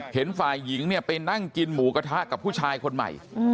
เห็นฝ่ายหญิงเนี่ยไปนั่งกินหมูกระทะกับผู้ชายคนใหม่